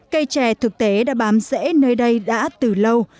cây trè thực tế đã bám rẽ nơi đây đã từ lâu